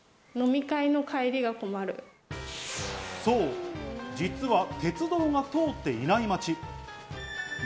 そう、実は鉄道が通っていない町。